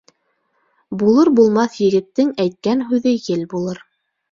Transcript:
Булыр-булмаҫ егеттең әйткән һүҙе ел булыр.